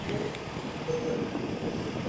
হঠাৎ করে তার বিয়ে হয়ে যায়।